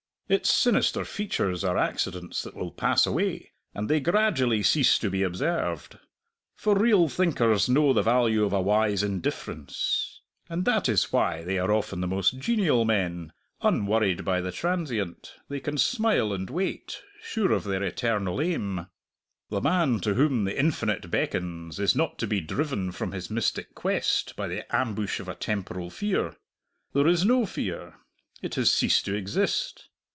Its sinister features are accidents that will pass away, and they gradually cease to be observed. For real thinkers know the value of a wise indifference. And that is why they are often the most genial men; unworried by the transient, they can smile and wait, sure of their eternal aim. The man to whom the infinite beckons is not to be driven from his mystic quest by the ambush of a temporal fear; there is no fear it has ceased to exist.